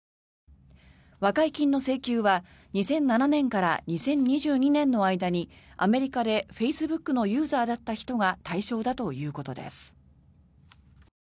和解金の請求は２００７年から２０２０年の間にアメリカでフェイスブックのユーザーだった人が対象だということです。